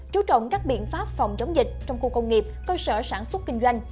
chú trọng các biện pháp phòng chống dịch trong khu công nghiệp cơ sở sản xuất kinh doanh